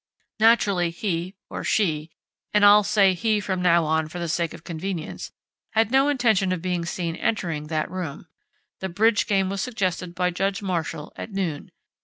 Naturally he or she and I'll say 'he' from now on, for the sake of convenience had no intention of being seen entering that room. The bridge game was suggested by Judge Marshall at noon.